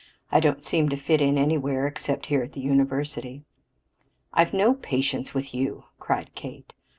"I don't seem to fit in anywhere except here at the University." "I've no patience with you," cried Kate.